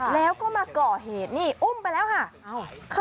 แล้วก็มาก่อเหตุนี่อุ้มไปแล้วค่ะ